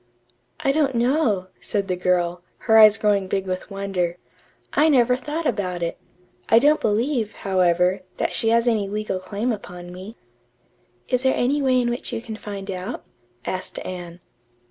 "I don't know," said the girl, her eyes growing big with wonder. "I never thought about it. I don't believe, however, that she has any legal claim upon me." "Is there any way in which you can find out?" asked Anne.